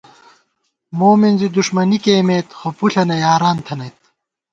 مومِنزی دُݭمَنی کېئیمېت خو پُݪَنہ یاران تھنَئیت